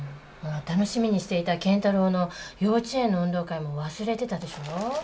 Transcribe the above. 楽しみにしていた健太郎の幼稚園の運動会も忘れてたでしょ？